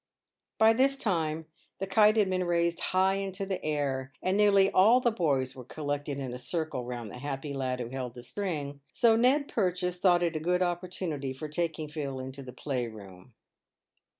By this time the kite had been raised high into the air, and nearly all the boys were collected in a circle round the happy lad who held the string, so Ned Purchase thought it a good opportunity for taking Phil into the playroom.